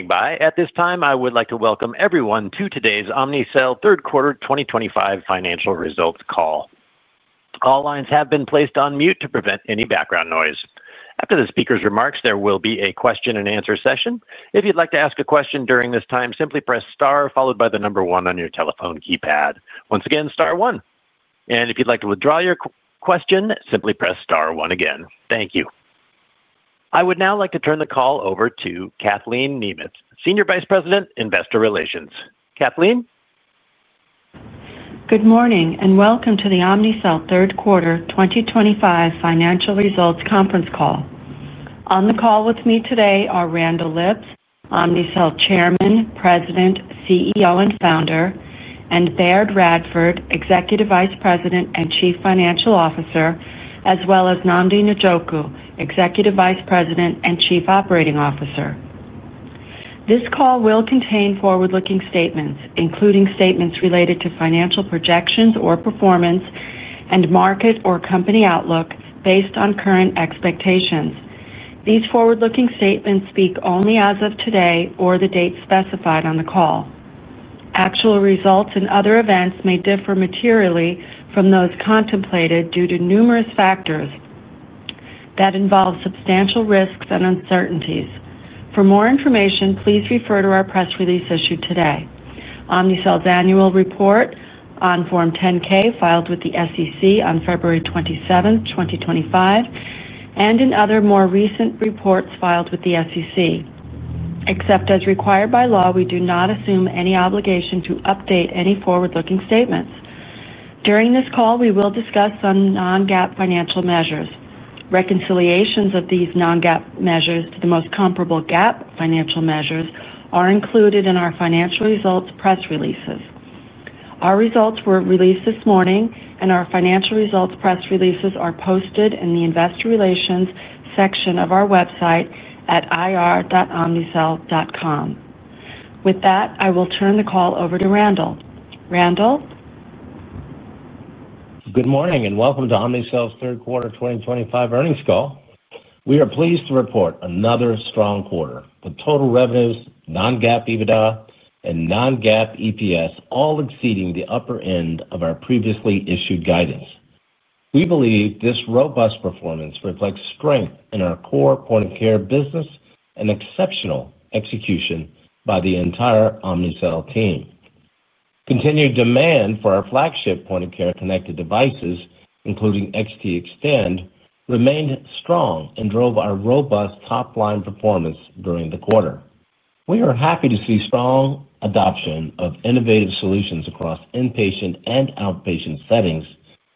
Thank you for standing by. At this time, I would like to welcome everyone to today's Omnicell third quarter 2025 financial results call. All lines have been placed on mute to prevent any background noise. After the speaker's remarks, there will be a question and answer session. If you'd like to ask a question during this time, simply press STAR followed by the number one on your telephone keypad. Once again, star one. If you'd like to withdraw your question, simply press star one again. Thank you. I would now like to turn the call over to Kathleen Nemeth, Senior Vice President, Investor Relations. Kathleen? Good morning and welcome to the Omnicell third quarter 2025 financial results conference call. On the call with me today are Randall Lipps, Omnicell Chairman, President, CEO and Founder, and Baird Radford, Executive Vice President and Chief Financial Officer, as well as Nnamdi Njoku, Executive Vice President and Chief Operating Officer. This call will contain forward looking statements including statements related to financial projections or performance and market or company outlook based on current expectations. These forward looking statements speak only as of today or the date specified on the call. Actual results and other events may differ materially from those contemplated due to numerous factors that involve substantial risks and uncertainties. For more information, please refer to our press release issued today, Omnicell's annual report on Form 10-K filed with the SEC on February 27, 2025, and in other more recent reports filed with the SEC. Except as required by law, we do not assume any obligation to update any forward looking statements. During this call we will discuss some non-GAAP financial measures. Reconciliations of these non-GAAP measures to the most comparable GAAP financial measures are included in our financial results press releases. Our results were released this morning and our financial results press releases are posted in the Investor Relations section of our website at ir.omnicell.com. With that, I will turn the call over to Randall. Good morning and welcome to Omnicell's third quarter 2025 earnings call. We are pleased to report another strong quarter with total revenues, non-GAAP EBITDA, and non-GAAP EPS all exceeding the upper end of our previously issued guidance. We believe this robust performance reflects strength in our core point of care business and exceptional execution by the entire Omnicell team. Continued demand for our flagship point of care connected devices, including XTExtend, remained strong and drove our robust top line performance during the quarter. We are happy to see strong adoption of innovative solutions across inpatient and outpatient settings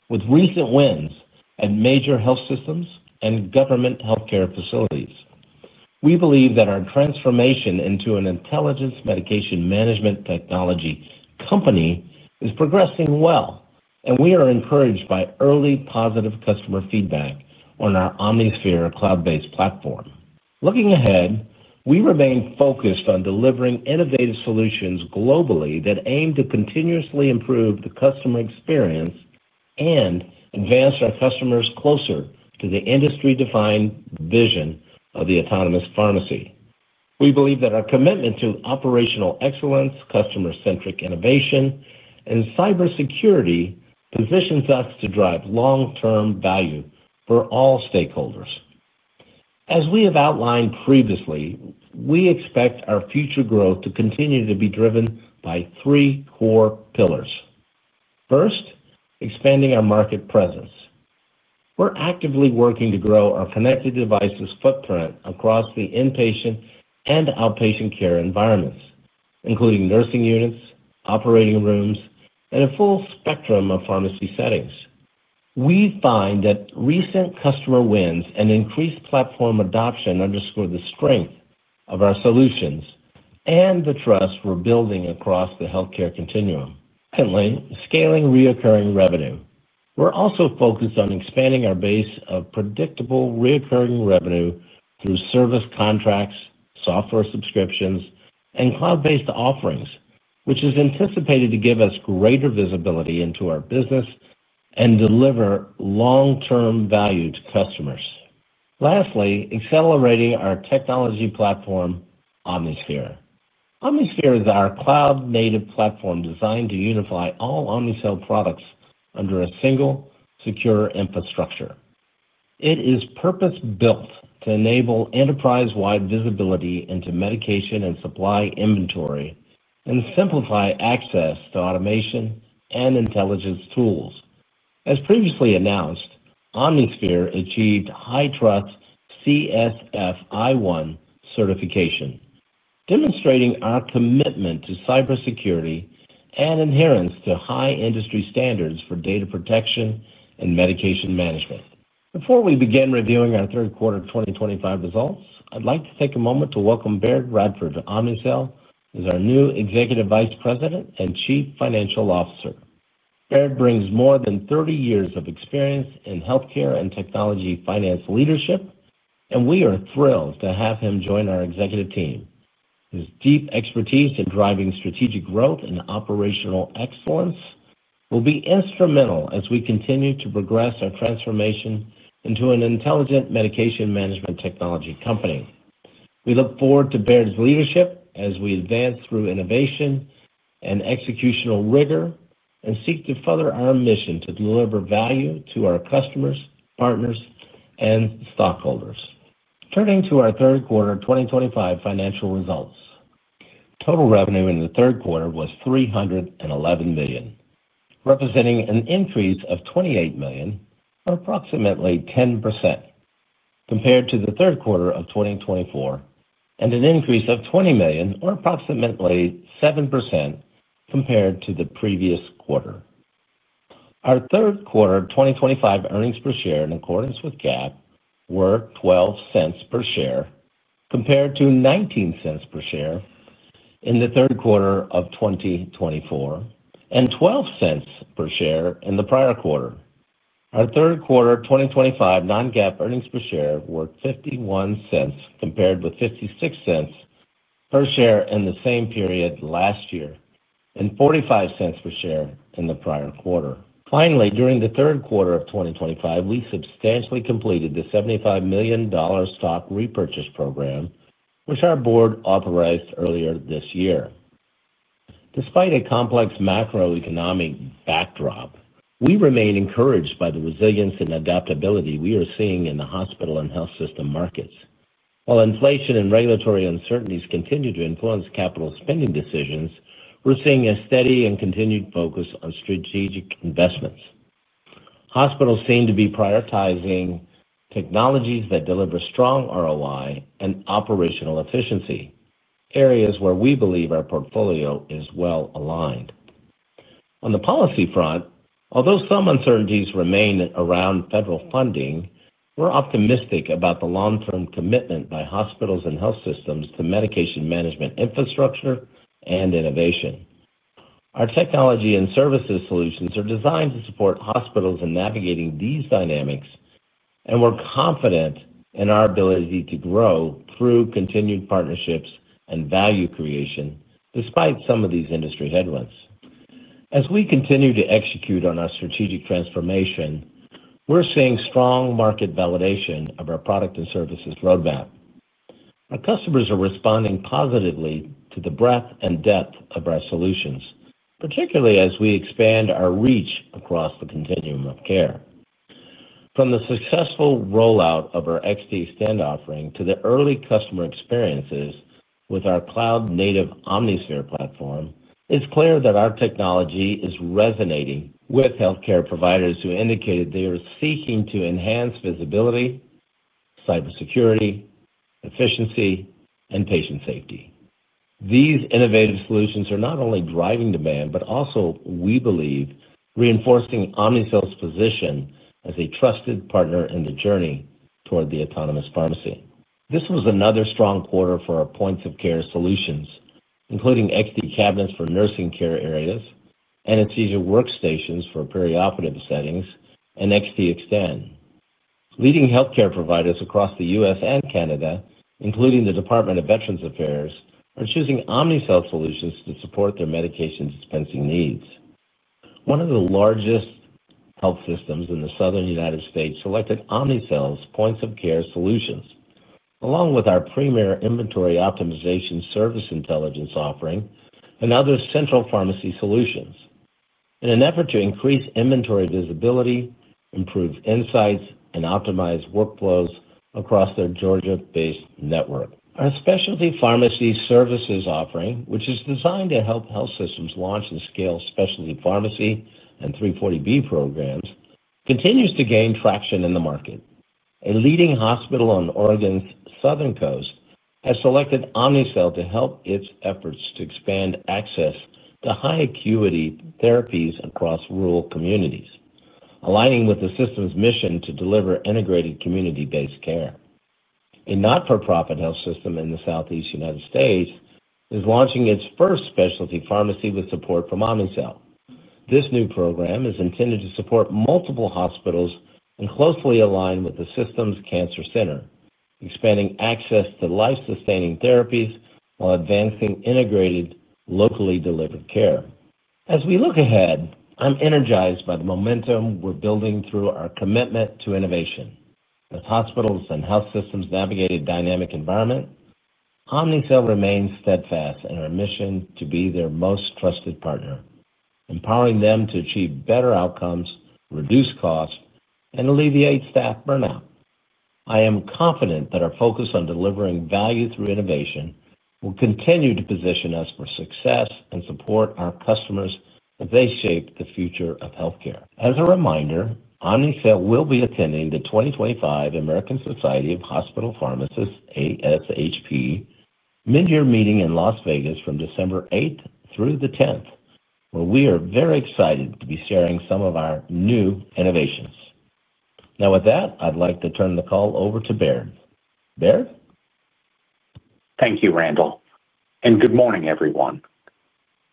with recent wins at major health systems and government healthcare facilities. We believe that our transformation into an intelligence medication management technology company is progressing well, and we are encouraged by early positive customer feedback on our cloud-based platform. Looking ahead, we remain focused on delivering innovative solutions globally that aim to continuously improve the customer experience and advance our customers closer to the industry-defined vision of the autonomous pharmacy. We believe that our commitment to operational excellence, customer-centric innovation, and cybersecurity positions us to drive long-term value for all stakeholders. As we have outlined previously, we expect our future growth to continue to be driven by three core pillars. First, expanding our market presence. We're actively working to grow our connected devices footprint across the inpatient and outpatient care environments, including nursing units, operating rooms, and a full spectrum of pharmacy settings. We find that recent customer wins and increased platform adoption underscore the strength of our solutions and the trust we're building across the healthcare continuum. Secondly, scaling recurring revenue. We're also focused on expanding our base of predictable recurring revenue through service contracts, software subscriptions, and cloud-based offerings, which is anticipated to give us greater visibility into our business and deliver long-term value to customers. Lastly, accelerating our technology platform, OmniSphere. OmniSphere is our cloud-native platform designed to unify all Omnicell products under a single secure infrastructure. It is purpose-built to enable enterprise-wide visibility into medication and supply inventory and simplify access to automation and intelligence tools. As previously announced, OmniSphere achieved HITRUST CSF i1 certification, demonstrating our commitment to cybersecurity and adherence to high industry standards for data protection and medication management. Before we begin reviewing our third quarter 2025 results, I'd like to take a moment to welcome Baird Radford to Omnicell as our new Executive Vice President and Chief Financial Officer. Baird brings more than 30 years of experience in healthcare and technology finance leadership, and we are thrilled to have him join our executive team. His deep expertise in driving strategic growth and operational excellence will be instrumental as we continue to progress our transformation into an intelligent medication management technology company. We look forward to Baird's leadership as we advance through innovation and executional rigor and seek to further our mission to deliver value to our customers, partners, and stockholders. Turning to our third quarter 2025 financial results, total revenue in the third quarter was $311 million, representing an increase of $28 million, or approximately 10%, compared to the third quarter of 2024 and an increase of $20 million, or approximately 7%, compared to the previous quarter. Our third quarter 2025 earnings per share in accordance with GAAP were $0.12 per share compared to $0.19 per share in the third quarter of 2024 and $0.12 per share in the prior quarter. Our third quarter 2025 non-GAAP earnings per share were $0.51 compared with $0.56 per share in the same period last year and $0.45 per share in the prior quarter. Finally, during the third quarter of 2025, we substantially completed the $75 million stock repurchase program which our board authorized earlier this year. Despite a complex macroeconomic backdrop, we remain encouraged by the resilience and adaptability we are seeing in the hospital and health system markets. While inflation and regulatory uncertainties continue to influence capital spending decisions, we're seeing a steady and continued focus on strategic investments. Hospitals seem to be prioritizing technologies that deliver strong ROI and operational efficiency, areas where we believe our portfolio is well aligned. On the policy front, although some uncertainties remain around federal funding, we're optimistic about the long-term commitment by hospitals and health systems to medication management infrastructure and innovation. Our technology and services solutions are designed to support hospitals in navigating these dynamics, and we're confident in our ability to grow through continued partnerships and value creation despite some of these industry headwinds. As we continue to execute on our strategic transformation, we're seeing strong market validation of our product and services roadmap. Our customers are responding positively to the breadth and depth of our solutions, particularly as we expand our reach across the continuum of care. From the successful rollout of our XTExtend offering to the early customer experiences with our cloud-native OmniSphere platform, it's clear that our technology is resonating with healthcare providers who indicated they are seeking to enhance visibility, cybersecurity, efficiency, and patient safety. These innovative solutions are not only driving demand, but also, we believe, reinforcing Omnicell's position as a trusted partner in the journey toward the autonomous pharmacy. This was another strong quarter for our point of care solutions, including XT Cabinets for nursing care areas, anesthesia workstations for perioperative settings, and XTExtend. Leading healthcare providers across the U.S. and Canada, including the Department of Veterans Affairs, are choosing Omnicell solutions to support their medication dispensing needs. One of the largest health systems in the Southern United States selected Omnicell's point of care solutions along with our premier inventory optimization, service intelligence offering, and other central pharmacy solutions in an effort to increase inventory visibility, improve insights, and optimize workflows across their Georgia-based network. Our specialty pharmacy services offering, which is designed to help health systems launch and scale specialty pharmacy and 340B programs, continues to gain traction in the market. A leading hospital on Oregon's southern coast has selected Omnicell to help its efforts to expand access to high-acuity therapies across rural communities, aligning with the system's mission to deliver integrated community-based care. A not-for-profit health system in the Southeast United States is launching its first specialty pharmacy with support from Omnicell. This new program is intended to support multiple hospitals and closely align with the system's cancer center, expanding access to life-sustaining therapies while advancing integrated, locally delivered care. As we look ahead, I'm energized by the momentum we're building through our commitment to innovation. As hospitals and health systems navigate a dynamic environment, Omnicell remains steadfast in our mission to be their most trusted partner, empowering them to achieve better outcomes, reduce cost, and alleviate staff burnout. I am confident that our focus on delivering value through innovation will continue to position us for success and support our customers as they shape the future of healthcare. As a reminder, Omnicell will be attending the 2025 American Society of Hospital Pharmacists ASHP Midyear Meeting in Las Vegas from December 8th through the 10th, where we are very excited to be sharing some of our new innovations. Now with that, I'd like to turn the call over to Baird. Baird? Thank you. Randall, and good morning everyone.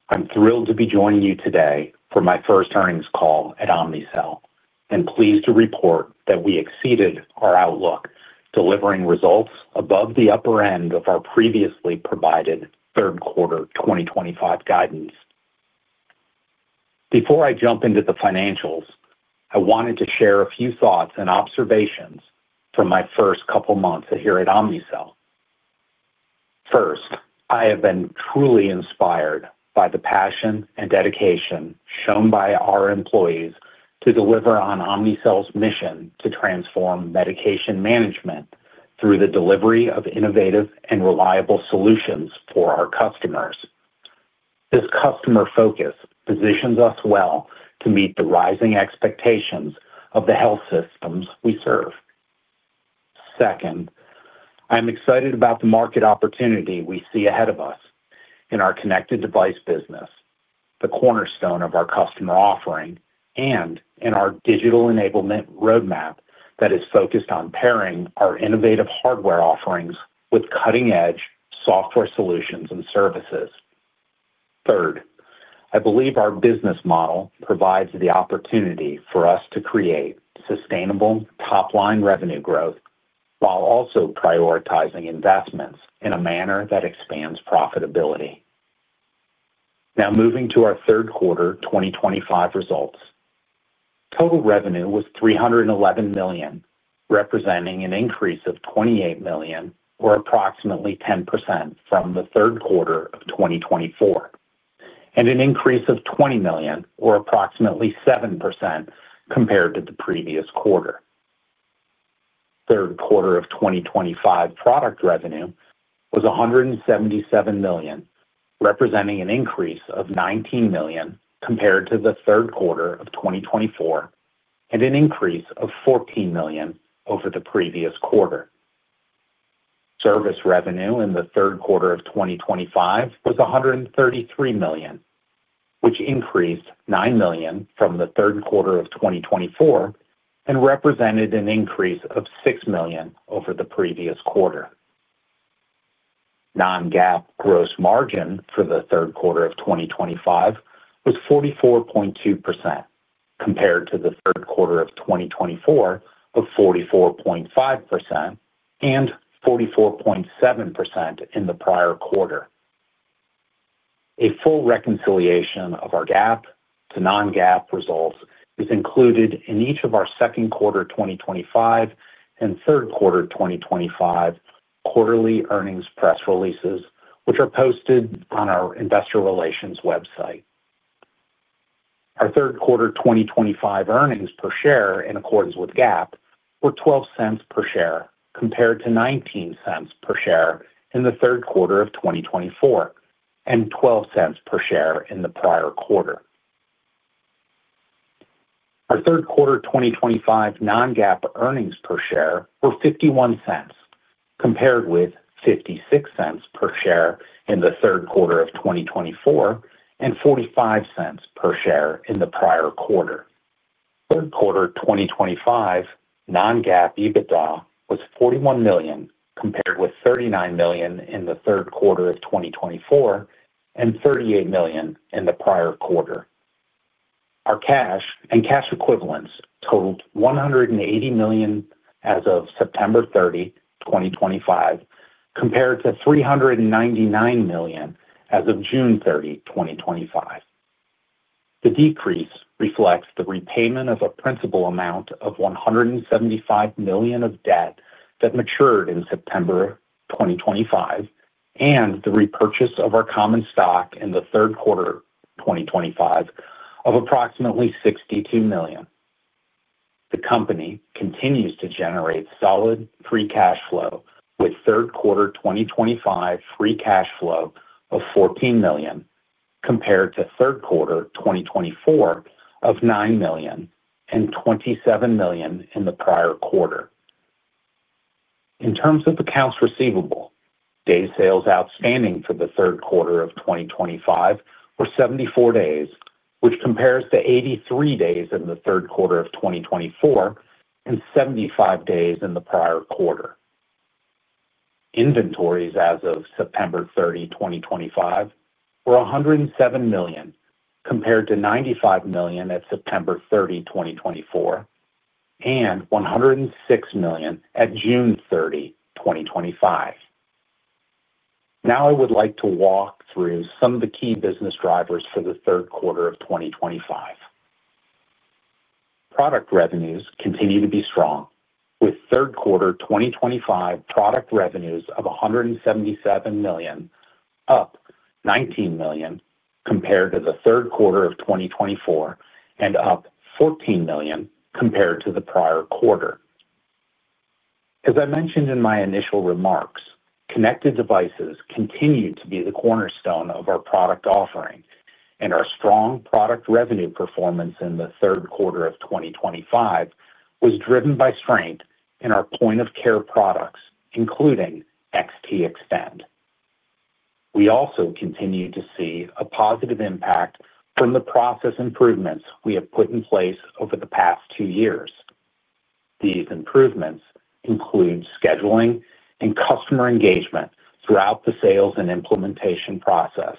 I'm thrilled to be joining you today for my first earnings call at Omnicell and pleased to report that we exceeded our outlook, delivering results above the upper end of our previously provided third quarter 2025 guidance. Before I jump into the financials, I wanted to share a few thoughts and observations from my first couple months here at Omnicell. First, I have been truly inspired by the passion and dedication shown by our employees to deliver on Omnicell's mission to transform medication management through the delivery of innovative and reliable solutions for our customers. This customer focus positions us well to meet the rising expectations of the health systems we serve. Second, I'm excited about the market opportunity we see ahead of us in our connected device business, the cornerstone of our customer offering, and in our digital enablement roadmap that is focused on pairing our innovative hardware offerings with cutting edge software solutions and services. Third, I believe our business model provides the opportunity for us to create sustainable top line revenue growth while also prioritizing investments in a manner that expands profitability. Now moving to our third quarter 2025 results. Total revenue was $311 million, representing an increase of $28 million, or approximately 10%, from the third quarter of 2024 and an increase of $20 million, or approximately 7%, compared to the previous quarter. Third quarter 2025 product revenue was $177 million, representing an increase of $19 million compared to the third quarter of 2024 and an increase of $14 million over the previous quarter. Service revenue in the third quarter of 2025 was $133 million, which increased $9 million from the third quarter of 2024 and represented an increase of $6 million over the previous quarter. Non-GAAP gross margin for the third quarter of 2025 was 44.2% compared to the third quarter of 2024 of 44.5% and 44.7% in the prior quarter. A full reconciliation of our GAAP to non-GAAP results is included in each of our second quarter 2025 and third quarter 2025 quarterly earnings press releases, which are posted on our investor relations website. Our third quarter 2025 earnings per share in accordance with GAAP were $0.12 per share compared to $0.19 per share in the third quarter of 2024 and $0.12 per share in the prior quarter. Our third quarter 2025 non-GAAP earnings per share were $0.51 compared with $0.56 per share in the third quarter of 2024 and $0.45 per share in the prior quarter. Third quarter 2025 non-GAAP EBITDA was $41 million compared with $39 million in the third quarter of 2024 and $38 million in the prior quarter. Our cash and cash equivalents totaled $180 million as of September 30, 2025, compared to $399 million as of June 30, 2025. The decrease reflects the repayment of a principal amount of $175 million of debt that matured in September 2025 and the repurchase of our common stock in the third quarter 2025 of approximately $62 million. The company continues to generate solid free cash flow with third quarter 2025 free cash flow of $14 million compared to third quarter 2024 of $9 million and $27 million in the prior quarter. In terms of accounts receivable days, sales outstanding for the third quarter of 2025 were 74 days, which compares to 83 days in the third quarter of 2024 and 75 days in the prior quarter. Inventories as of September 30, 2025, were $107 million compared to $95 million at September 30, 2024, and $106 million at June 30, 2025. Now I would like to walk through some of the key business drivers for the third quarter of 2025. Product revenues continue to be strong with third quarter 2025 product revenues of $177 million, up $19 million compared to the third quarter of 2024 and up $14 million compared to the prior quarter. As I mentioned in my initial remarks, connected devices continue to be the cornerstone of our product offering and our strong product revenue performance in the third quarter of 2025 was driven by strength in our point of care products including XTExtend. We also continue to see a positive impact from the process improvements we have put in place over the past two years. These improvements include scheduling and customer engagement throughout the sales and implementation process,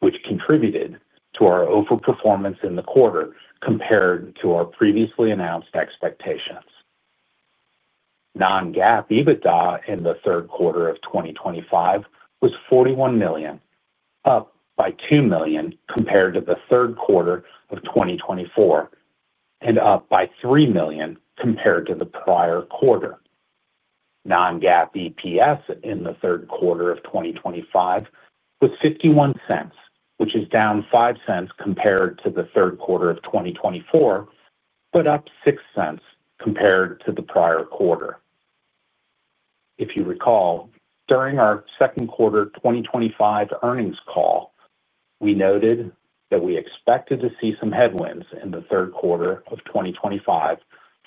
which contributed to our overperformance in the quarter. Compared to our previously announced expectations, non-GAAP EBITDA in the third quarter of 2025 was $41 million, up by $2 million compared to the third quarter of 2024 and up by $3 million compared to the prior quarter. Non-GAAP EPS in the third quarter of 2025 was $0.51, which is down $0.05 compared to the third quarter of 2024, but up $0.06 compared to the prior quarter. If you recall, during our second quarter 2025 earnings call we noted that we expected to see some headwinds in the third quarter of 2025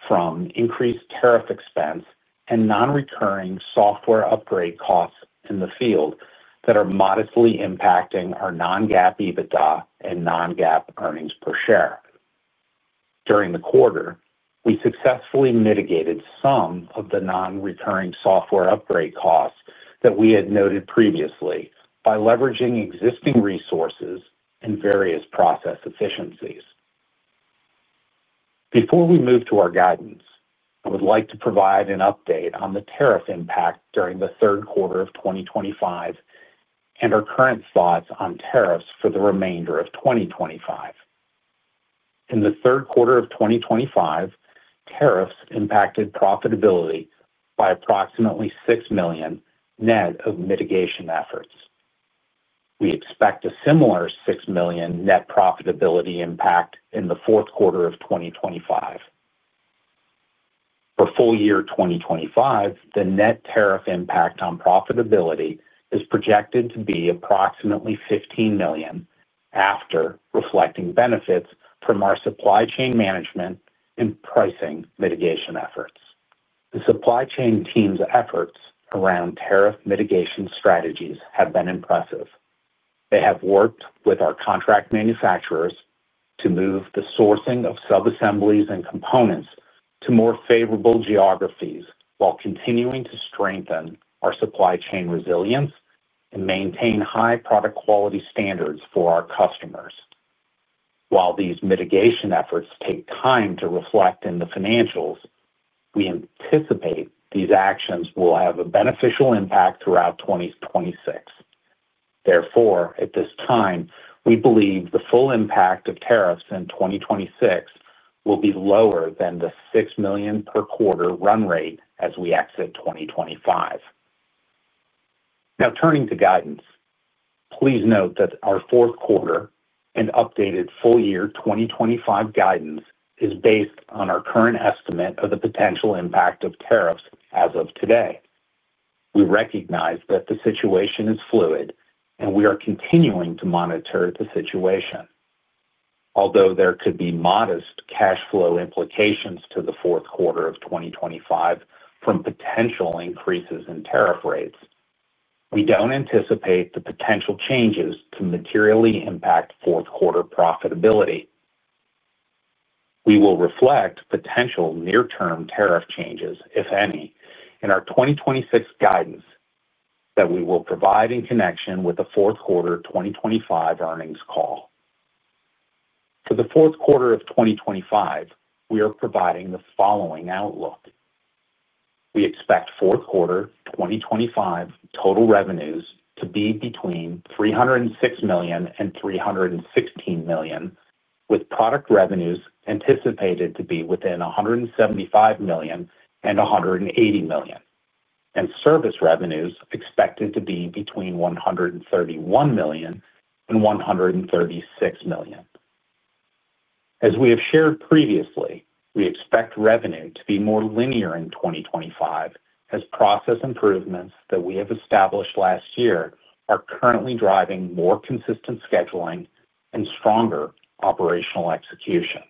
from increased tariff expense and non-recurring software upgrade costs in the field that are modestly impacting our non-GAAP EBITDA and non-GAAP earnings per share. During the quarter, we successfully mitigated some of the non-recurring software upgrade costs that we had noted previously by leveraging existing resources and various process efficiencies. Before we move to our guidance, I would like to provide an update on the tariff impact during the third quarter of 2025 and our current thoughts on tariffs for the remainder of 2025. In the third quarter of 2025, tariffs impacted profitability by approximately $6 million net of mitigation efforts. We expect a similar $6 million net profitability impact in the fourth quarter of 2025. For full year 2025, the net tariff impact on profitability is projected to be approximately $15 million. After reflecting benefits from our supply chain management and pricing mitigation efforts, the supply chain team's efforts are around. Tariff mitigation strategies have been impressive. They have worked with our contract manufacturers to move the sourcing of sub-assemblies and components to more favorable geographies while continuing to strengthen our supply chain resilience and maintain high product quality standards for our customers. While these mitigation efforts take time to reflect in the financials, we anticipate these actions will have a beneficial impact throughout 2026. Therefore, at this time we believe the full impact of tariffs in 2026 will be lower than the $6 million per quarter run rate as we exit 2025. Now turning to guidance, please note that our fourth quarter and updated full year 2025 guidance is based on our current estimate of the potential impact of tariffs as of today. We recognize that the situation is fluid and we are continuing to monitor the situation. Although there could be modest cash flow implications to the fourth quarter of 2025 from potential increases in tariff rates, we don't anticipate the potential changes to materially impact fourth quarter profitability. We will reflect potential near-term tariff changes, if any, in our 2026 guidance that we will provide in connection with the fourth quarter 2025 earnings call. For the fourth quarter of 2025, we are providing the following outlook. We expect fourth quarter 2025 total revenues to be between $306 million and $316 million, with product revenues anticipated to be within $175 million and $180 million, and service revenues expected to be between $131 million and $136 million. As we have shared previously, we expect revenue to be more linear in 2025 as process improvements that we have established last year are currently driving more consistent scheduling and stronger operational execution.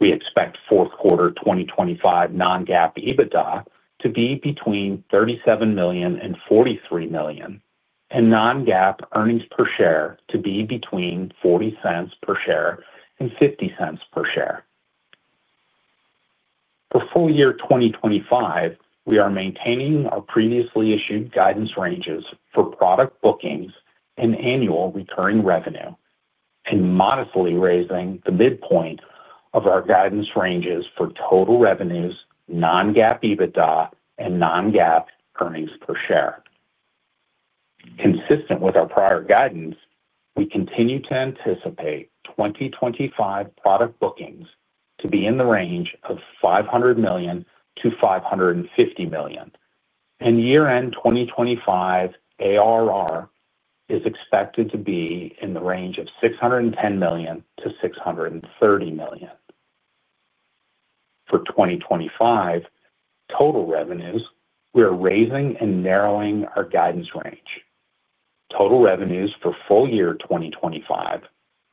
We expect fourth quarter 2025 non-GAAP EBITDA to be between $37 million and $43 million, and non-GAAP earnings per share to be between $0.40 per share and $0.50 per share for full year 2025. We are maintaining our previously issued guidance ranges for product bookings and annual recurring revenue and modestly raising the midpoint of our guidance ranges for total revenues, non-GAAP EBITDA, and non-GAAP earnings per share. Consistent with our prior guidance, we continue to anticipate 2025 product bookings to be in the range of $500 million-$550 million, and year-end 2025 ARR is expected to be in the range of $610 million-$630 million. For 2025 total revenues, we are raising and narrowing our guidance range. Total revenues for full year 2025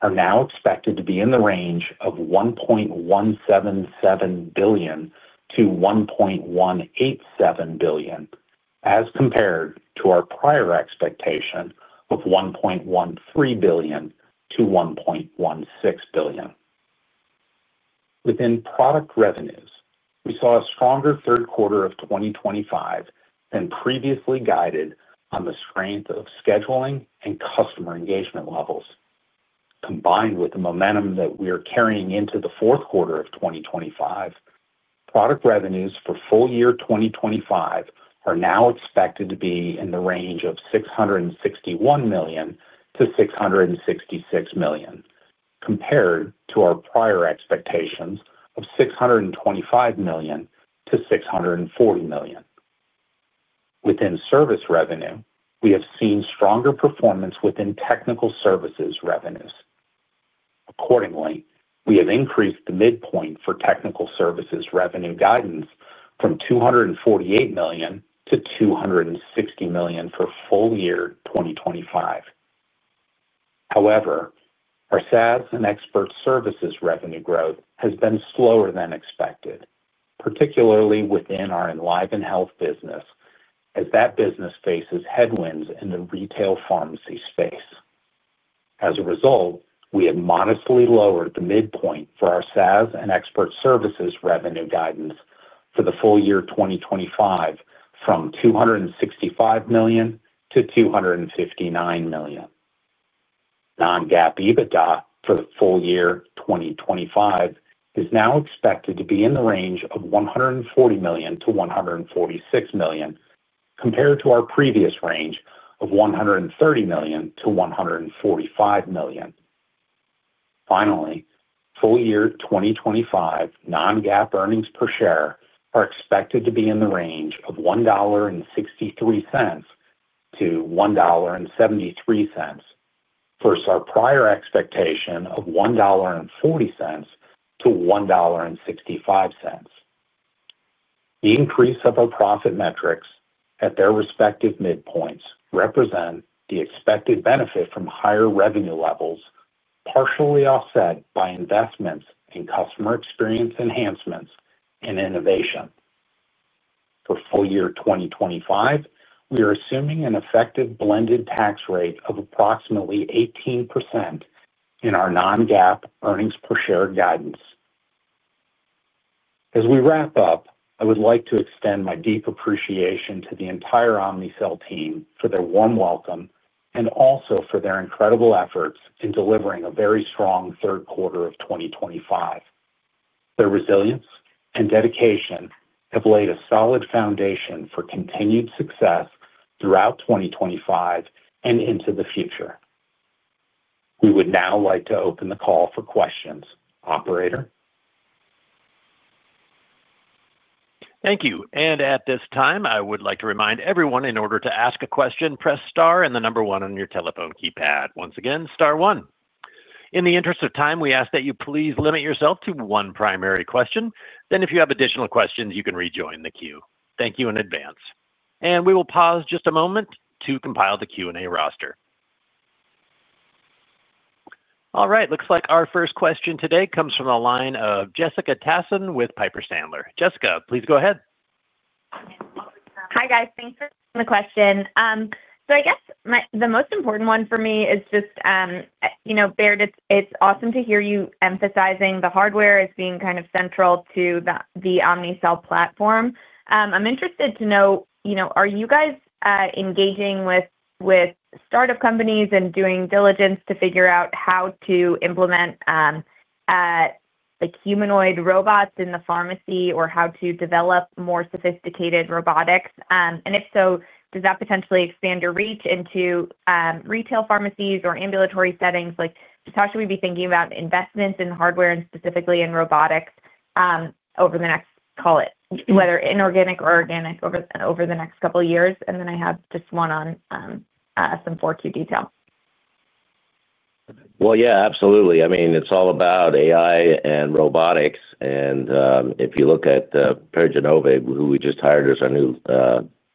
are now expected to be in the range of $1.177 billion-$1.187 billion as compared to our prior expectation of $1.13 billion-$1.16 billion. Within product revenues, we saw a stronger third quarter of 2025 than previously guided, on the strength of scheduling and customer engagement levels. Combined with the momentum that we are carrying into the fourth quarter of 2025, product revenues for full year 2025 are now expected to be in the range of $661 million-$666 million compared to our prior expectations of $625 million-$640 million. Within service revenue, we have seen stronger performance within technical services revenues. Accordingly, we have increased the midpoint for technical services revenue guidance from $248 million to $260 million for full year 2025. However, our SaaS and expert services revenue growth has been slower than expected, particularly within our EnlivenHealth business as that business faces headwinds in the retail pharmacy space. As a result, we have modestly lowered the midpoint for our SaaS and expert services revenue guidance for the full year 2025 from $265 million to $259 million. Non-GAAP EBITDA for the full year 2025 is now expected to be in the range of $140 million-$146 million compared to our previous range of $130 million-$145 million. Finally, full-year 2025 non-GAAP earnings per share are expected to be in the range of $1.63-$1.73 versus our prior expectation of $1.40-$1.65. The increase of our profit metrics at their respective midpoints represents the expected benefit from higher revenue levels, partially offset by investments in customer experience enhancements and innovation. For full-year 2025, we are assuming an effective blended tax rate of approximately 18% in our non-GAAP earnings per share guidance. As we wrap up, I would like to extend my deep appreciation to the entire Omnicell team for their warm welcome and also for their incredible efforts in delivering a very strong third quarter of 2025. Their resilience and dedication have laid a solid foundation for continued success throughout 2025 and into the future. We would now like to open the call for questions. Operator. Thank you, and at this time I would like to remind everyone in order to ask a question, press star and the number one on your telephone keypad. Once again. Star one. In the interest of time, we ask that you please limit yourself to one primary question. If you have additional questions, you can rejoin the queue. Thank you in advance, and we will pause just a moment to compile the Q&A roster. All right, looks like our first question today comes from the line of Jessica Tassan with Piper Sandler. Jessica, please go ahead. Hi, guys. Thanks for the question. I guess the most important one for me is just, you know, Baird, it's awesome to hear you emphasizing the hardware as being kind of central to the Omnicell platform. I'm interested to know, you know, are you guys engaging with startup companies and doing diligence to figure out how to implement like, humanoid robots in the pharmacy or how to develop more sophisticated robotics? If so, does that potentially expand your reach into retail pharmacies or ambulatory settings? How should we be thinking about investments in hardware and specifically in robotics over the next, call it whether inorganic or organic, over the next couple of years? I have just one on some 4Q detail. Absolutely. I mean, it's all about AI and robotics. If you look at Perry Genova, who we just hired as our new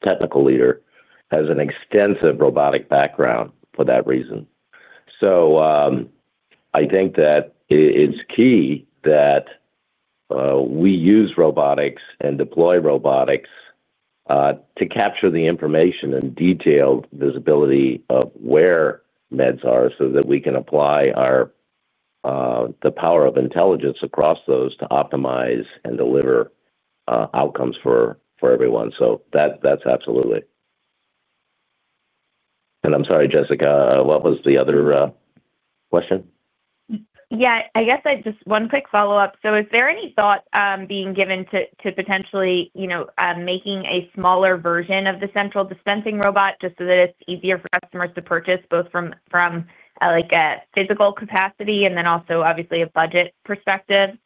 technical leader, he has an extensive robotics background for that reason. I think that it's key that we use robotics and deploy robotics to capture the information and detailed visibility of where meds are so that we can apply the power of intelligence across those to optimize and deliver outcomes for everyone. That's absolutely. I'm sorry, Jessica, what was the other question? I guess I just. One quick follow-up. Is there any thought being given to potentially making a smaller version of the central dispensing robot just so that it's easier for customers to purchase, both from a physical capacity and also obviously a budget perspective?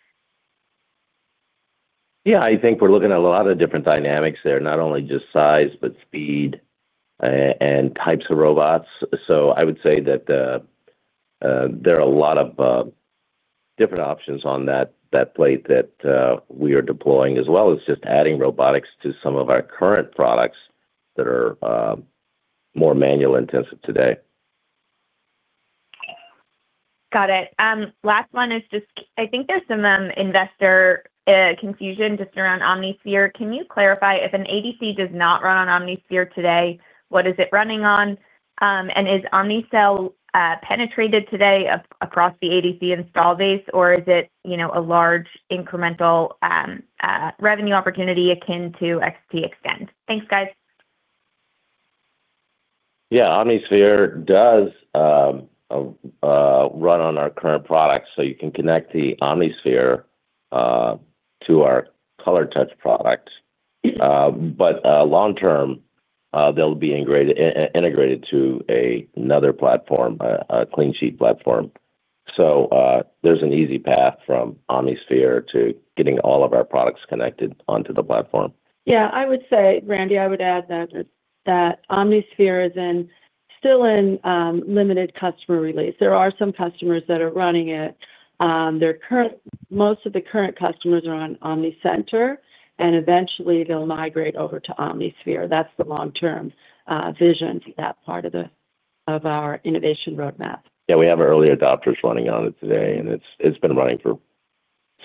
Yeah, I think we're looking at a lot of different dynamics there, not only just size, but speed and types of robots. I would say that there are a lot of different options on that plate that we are deploying, as well as just adding robotics to some of our current products that are more manual intensive today. Got it. Last one is just, I think there's some investor confusion just around OmniSphere. Can you clarify if an ADC does not run on OmniSphere today, what is it running on? Is Omnicell penetrated today across the ADC install base, or is it, you know, a large incremental revenue opportunity akin to XTExtend? Thanks, guys. Yeah, OmniSphere does run on our current products. You can connect OmniSphere to our color touch product, but long term they'll be integrated to another platform, a clean sheet platform. There's an easy path from OmniSphere to getting all of our products connected onto the platform. Yeah, I would say, Randy, I would add that OmniSphere is still in limited customer release. There are some customers that are running it. Most of the current customers are on OmniCenter, and eventually they'll migrate over to OmniSphere. That's the long term vision. That part of our innovation roadmap. Yeah, we have early adopters running on it today, and it's been running for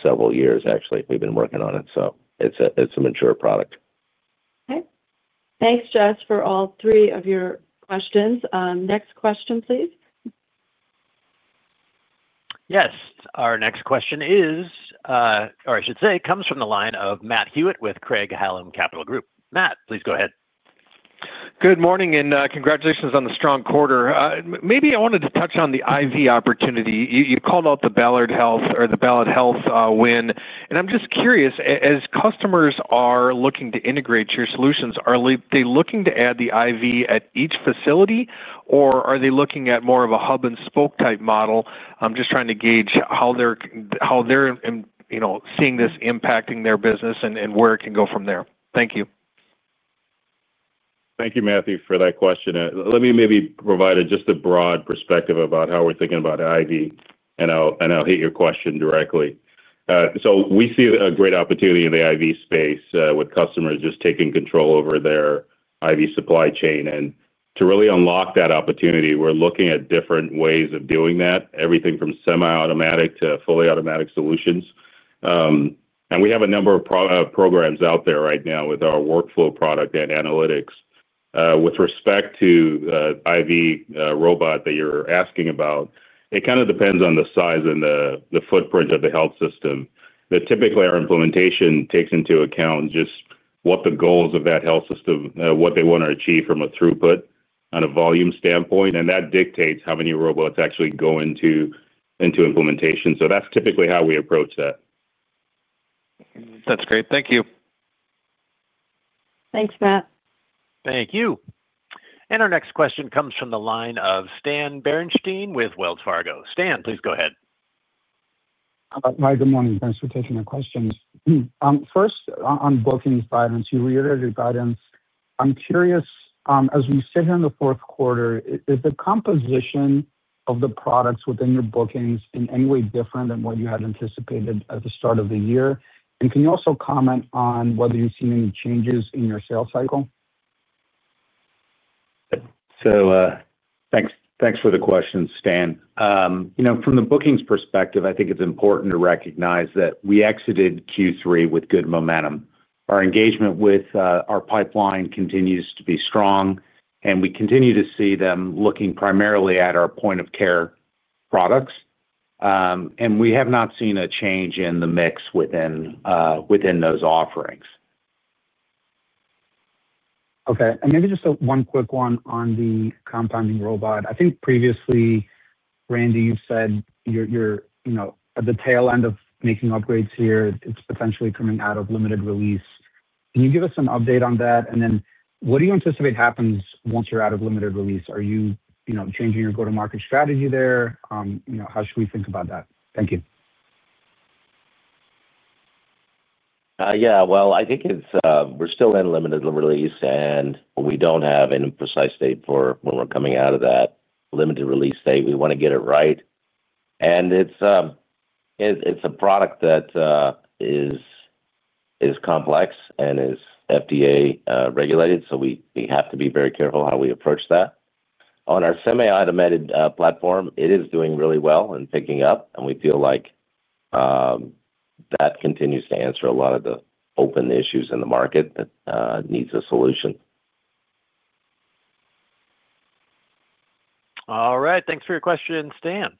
several years. Actually, we've been working on it, so it's a mature product. Thanks, Jess, for all three of your questions. Next question, please. Yes, our next question comes from the line of Matt Hewitt with Craig-Hallum Capital Group. Matt, please go ahead. Good morning and congratulations on the strong quarter. Maybe I wanted to touch on the IV opportunity you called out, the Ballard Health win. I'm just curious, as customers are looking to integrate your solutions, are they looking to add the IV at each facility, or are they looking at more of a hub and spoke type? I'm just trying to gauge how they're seeing this impacting their business and where it can go from there. Thank you. Thank you, Matthew, for that question. Let me maybe provide just a broad perspective about how we're thinking about IV, and I'll hit your question directly. We see a great opportunity in the IV space with customers just taking control over their IV supply chain. To really unlock that opportunity, we're looking at different ways of doing that, everything from semi-automatic to fully automatic solutions. We have a number of programs out there right now with our workflow product and analytics. With respect to IV robot that you're asking about, it kind of depends on the size and the footprint of the health system. Typically, our implementation takes into account just what the goals of that health system are, what they want to achieve from a throughput on a volume standpoint, and that dictates how many robots actually go into implementation. That's typically how we approach that. That's great. Thank you. Thanks, Matt. Thank you. Our next question comes from the line of Stan Berenshteyn with Wells Fargo. Stan, please go ahead. Good morning. Thanks for taking the questions. First, on bookings guidance, you reiterated guidance. I'm curious, as we sit here in the fourth quarter, is the composition of the products within your bookings in any way different than what you had anticipated at the start of the year? Can you also comment on whether you've seen any changes in your sales cycle? Thanks for the question, Stan. You know, from the bookings perspective, I think it's important to recognize that we exited Q3 with good momentum. Our engagement with our pipeline continues to be strong, and we continue to see them looking primarily at our point of care products. We have not seen a change in the mix within those offerings. Okay, and maybe just one quick one on the compounding robot. I think previously, Randy, you've said you're at the tail end of making upgrades here. It's potentially coming out of limited release. Can you give us an update on that? What do you anticipate happens once you're out of limited release? Are you changing your go to market strategy there? How should we think about that? Thank you. I think it's, we're still in limited release and we don't have any precise date for when we're coming out of that limited release date. We want to get it right, and it's a product that is complex and is FDA regulated. We have to be very careful how we approach that on our semi automated platform. It is doing really well and picking up, and we feel like that continues to answer a lot of the open issues in the market that needs a solution. All right, thanks for your question, Stan.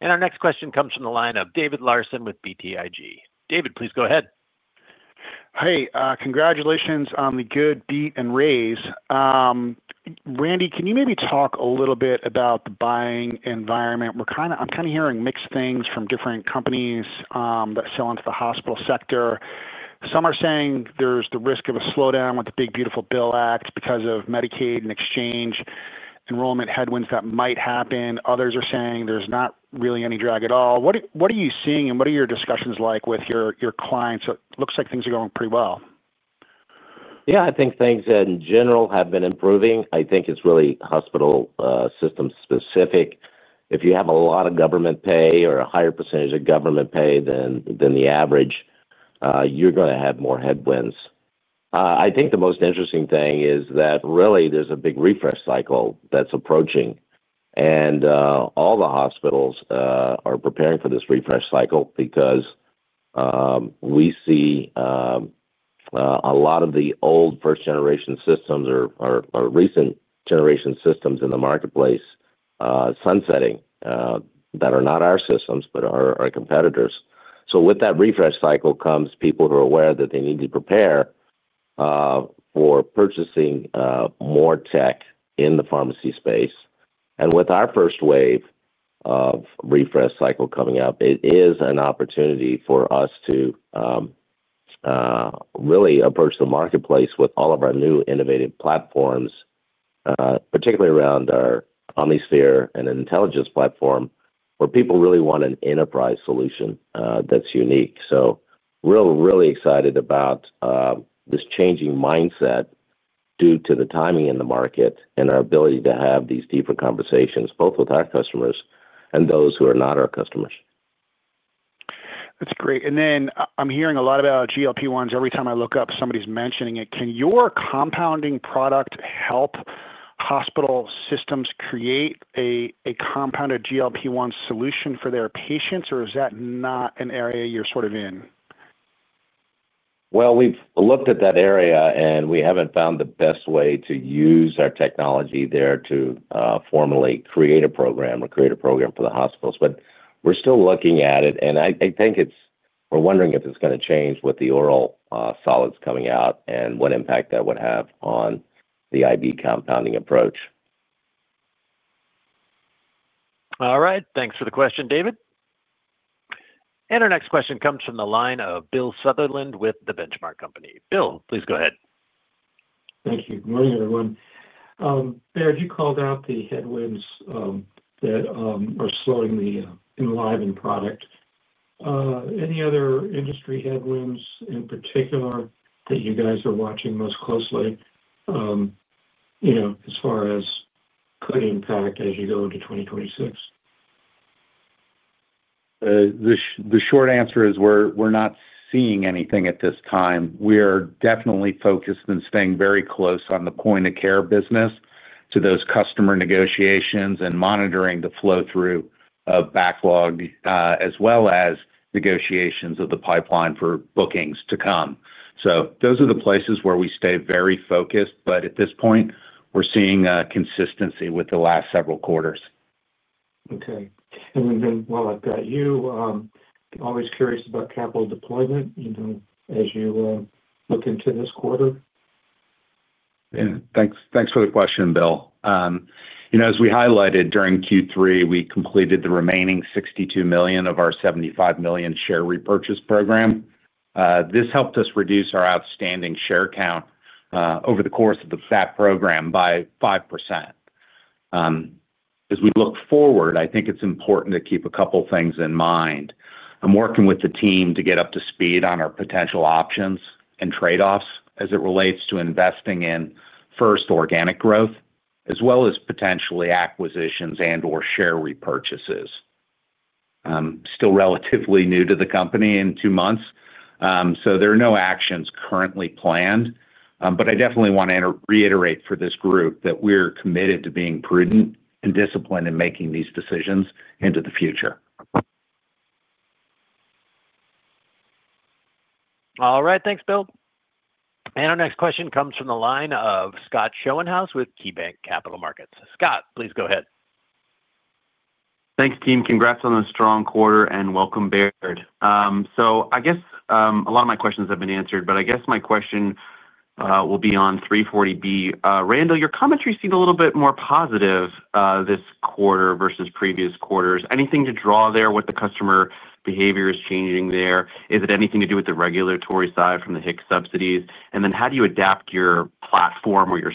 Our next question comes from the line of David Larsen with BTIG. David, please go ahead. Hey, congratulations on the good beat and raise. Randy, can you maybe talk a little bit about the buying environment? I'm kind of hearing mixed things from different companies that sell into the hospital sector. Some are saying there's the risk of a slowdown with the big beautiful bill act because of Medicaid and exchange enrollment headwinds that might happen. Others are saying there's not really any drag at all. What are you seeing and what are your discussions like with your clients? Looks like things are going pretty well. Yeah, I think things in general have been improving. I think it's really hospital system specific. If you have a lot of government pay or a higher percentage of government pay than the average, you're going to have more headwinds. I think the most interesting thing is that really there's a big refresh cycle that's approaching, and all the hospitals are preparing for this refresh cycle because we see a lot of the old first generation systems or recent generation systems in the marketplace sunsetting that are not our systems but are our competitors. With that refresh cycle comes people who are aware that they need to prepare for purchasing more tech in the pharmacy space, and with our first wave of refresh cycle coming up, it is an opportunity for us to really approach the marketplace with all of our new innovative platforms, particularly around our OmniSphere and intelligence platform where people really want an enterprise solution that's unique. Really, really excited about this changing mindset due to the timing in the market and our ability to have these deeper conversations both with our customers and those who are not our customers. That's great. I'm hearing a lot about GLP-1s. Every time I look up, somebody's mentioning it. Can your compounding product help hospital systems create a compounded GLP-1 solution for their patients, or is that not an area you're sort of in? We've looked at that area and we haven't found the best way to use our technology there to formally create a program or create a program for the hospitals. We're still looking at it and I think it's, we're wondering if it's going to change with the oral solids coming out and what impact that would have on the IV compounding approach. All right, thanks for the question, David. Our next question comes from the line of Bill Sutherland with The Benchmark Company. Bill, please go ahead. Thank you. Good morning everyone. You called out the headwinds that are slowing the Enliven product. Any other industry headwinds in particular that you guys are watching most closely? You know, as far as could impact as you go into 2026. The short answer is we're not seeing anything at this time. We are definitely focused on staying very close on the point of care business to those customer negotiations and monitoring the flow through of backlog as well as negotiations of the pipeline for bookings to come. Those are the places where we stay very focused. At this point, we're seeing consistency with the last several quarters. Okay. While I've got you, always curious about capital deployment as you look into this quarter. Thanks for the question, Bill. As we highlighted during Q3, we completed the remaining $62 million of our $75 million share repurchase program. This helped us reduce our outstanding share count over the course of the program by 5%. As we look forward, I think it's important to keep a couple things in mind. I'm working with the team to get up to speed on our potential options and trade-offs as it relates to investing in first organic growth as well as potentially acquisitions and/or share repurchases. Still relatively new to the company in two months, so there are no actions currently planned. I definitely want to reiterate for this group that we're committed to being prudent and disciplined in making these decisions into the future. All right, thanks, Bill. Our next question comes from the line of Scott Schoenhaus with KeyBanc Capital Markets. Scott, please go ahead. Thanks, team. Congrats on a strong quarter and welcome, Baird. A lot of my questions have been answered, but my question will be on 340B. Randall, your commentary seemed a little bit more positive this quarter versus previous quarters. Anything to draw there? What the customer behavior is changing there? Is it anything to do with the regulatory side from the HIC subsidies? How do you adapt your platform or your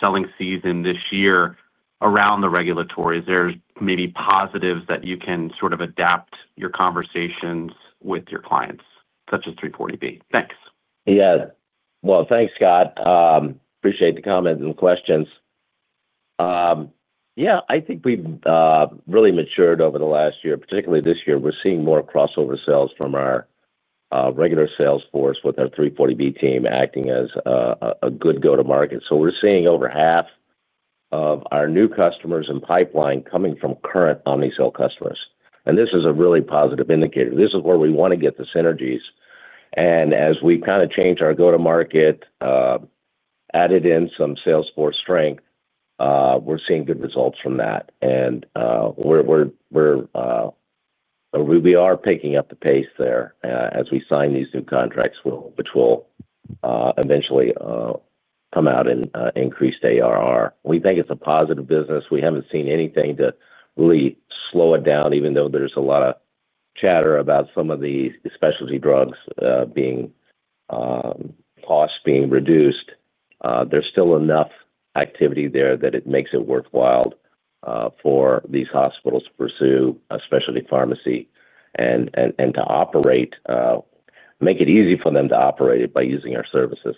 selling season this year around the regulatory? Is there maybe positives that you can sort of adapt your conversations with your clients, such as 340B? Thanks. Yeah, thanks, Scott. Appreciate the comments and questions. I think we've really matured over the last year, particularly this year. We're seeing more crossover sales from our regular sales force with our 340B team acting as a good go to market. We're seeing over half of our new customers and pipeline coming from current Omnicell customers, and this is a really positive indicator. This is where we want to get the synergies. As we kind of change our go to market and added in some salesforce strength, we're seeing good results from that. We're picking up the pace there as we sign these new contracts, which will eventually come out in increased ARR. We think it's a positive business. We haven't seen anything to really slow it down. Even though there's a lot of chatter about some of the specialty drugs' cost being reduced, there's still enough activity there that it makes it worthwhile for these hospitals to pursue a specialty pharmacy and to make it easy for them to operate it by using our services.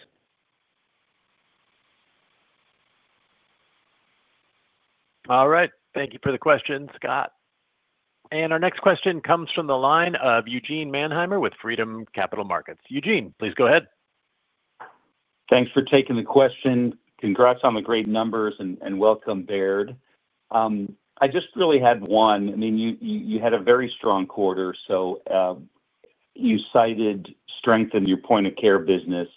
All right, thank you for the question, Scott. Our next question comes from the line of Eugene Mannheimer with Freedom Capital Markets. Eugene, please go ahead. Thanks for taking the question. Congrats on the great numbers and welcome, Baird. I just really had one. I mean, you had a very strong quarter. You cited strength in your point of care business.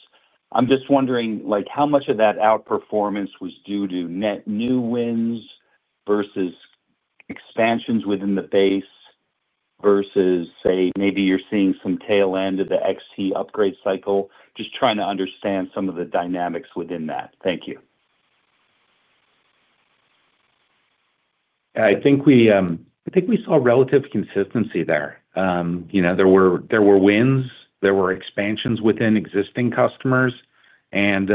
I'm just wondering how much of that outperformance was due to net new wins versus expansions within the base versus maybe you're seeing some tail end of the XT upgrade cycle. Just trying to understand some of the dynamics within that. Thank you. I think we saw relative consistency there. There were wins, there were expansions within existing customers and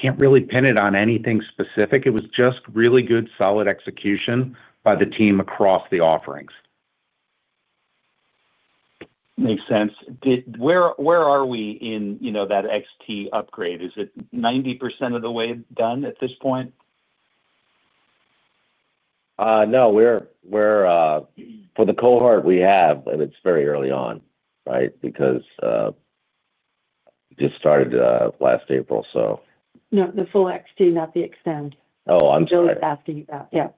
can't really pin it on anything specific. It was just really good, solid execution by the team across the offerings. Makes sense. Where are we in that XT upgrade? Is it 90% of the way done at this point? No, we're for the cohort we have. It's very early on. Right, because just started last April. No, the full XT, not the XTExtend. I'm still asking you that. Yeah,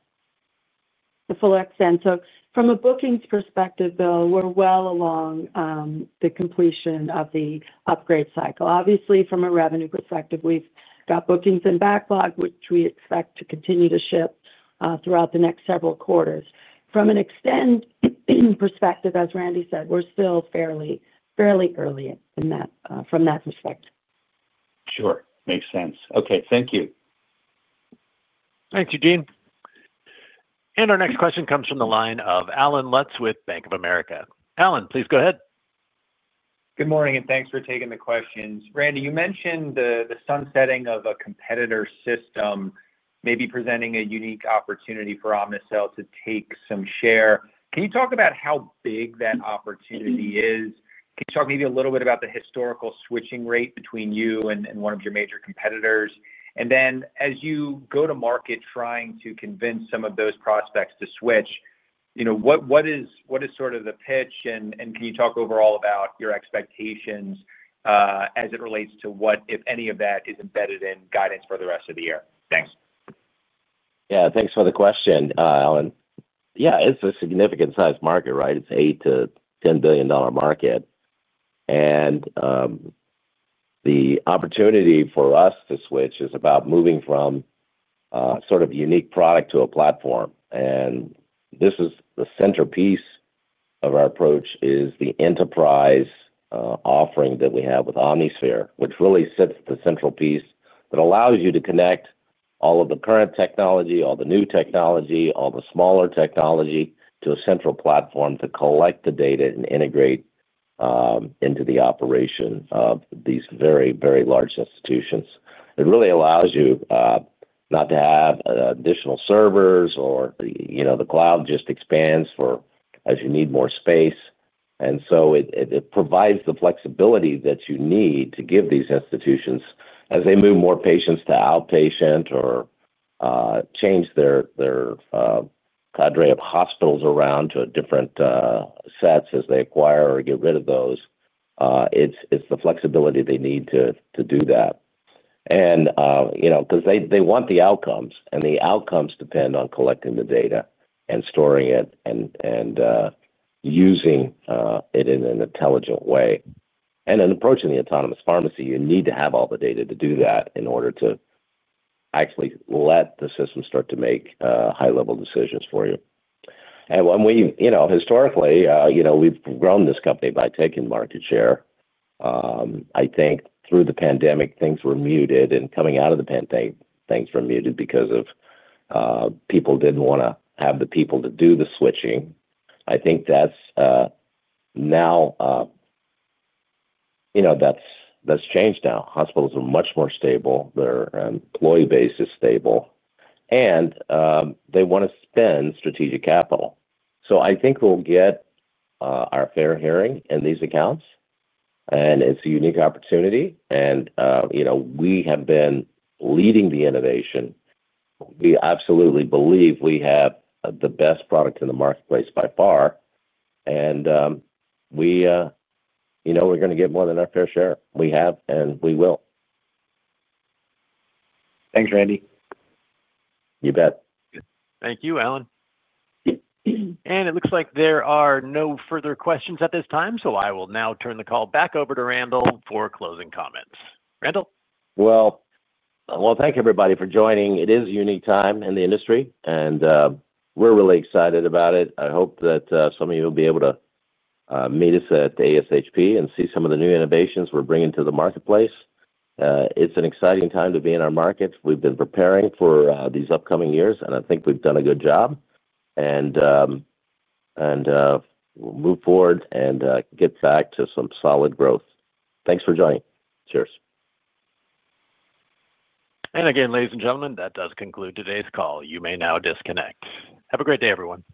the full XTExtend. From a bookings perspective, though, we're well along the completion of the upgrade cycle. Obviously, from a revenue perspective, we've got bookings and backlog, which we expect to continue to ship throughout the next several quarters. From an Extend perspective, as Randy said, we're still fairly early, from that respect. Sure, makes sense. Okay, thank you. Thank you, Gene. Our next question comes from the line of Allen Lutz with Bank of America. Allen, please go ahead. Good morning and thanks for taking the questions. Randy, you mentioned the sunsetting of a competitor system maybe presenting a unique opportunity for Omnicell to take some share. Can you talk about how big that opportunity is? Can you talk maybe a little bit about the historical switching rate between you and one of your major competitors? As you go to market, trying to convince some of those prospects to switch, what is sort of the pitch? Can you talk overall about your expectations as it relates to what, if any, of that is embedded in guidance for the rest of the year? Thanks. Yeah, thanks for the question, Allen. Yeah, it's a significant size market, right? It's an $8 billion to $10 billion market. The opportunity for us to switch is about moving from sort of unique product to a platform. This is the centerpiece of our approach, the enterprise offering that we have with OmniSphere, which really sits as the central piece that allows you to connect all of the current technology, all the new technology, all the smaller technology to a central platform to collect the data and integrate into the operation of these very, very large institutions. It really allows you not to have additional servers or the cloud just expands as you need more space. It provides the flexibility that you need to give these institutions as they move more patients to outpatient or change their cadre of hospitals around to different sets as they acquire or get rid of those. It's the flexibility they need to do that. They want the outcomes, and the outcomes depend on collecting the data and storing it and using it in an intelligent way. In approaching the autonomous pharmacy, you need to have all the data to do that in order to actually let the system start to make high level decisions for you. Historically, we've grown this company by taking market share. I think through the pandemic things were muted. Coming out of the pandemic, things were muted because people didn't want to have the people to do the switching. I think that's now. That's changed now. Hospitals are much more stable, their employee base is stable, and they want to spend strategic capital. I think we'll get our fair hearing in these accounts, and it's a unique opportunity. We have been leading the innovation. We absolutely believe we have the best product in the marketplace by far, and we're going to get more than our fair share. We have, and we will. Thanks, Randy. You bet. Thank you, Allen. It looks like there are no further questions at this time. I will now turn the call back over to Randall for closing comments. Randall? Thank everybody for joining. It is a unique time in the industry. We're really excited about it. I hope that some of you will be able to meet us at ASHP and see some of the new innovations we're bringing to the marketplace. It's an exciting time to be in our markets. We've been preparing for these upcoming years, and I think we've done a good job to move forward and get back to some solid growth. Thanks for joining. Cheers. Ladies and gentlemen, that does conclude today's call. You may now disconnect. Have a great day, everyone.